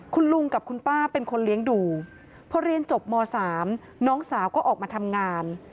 คุณลุงกับคุณป้าเป็นคนเลี้ยงดูพอเรียนจบม๓น้องสาวก็ออกมาทำงาน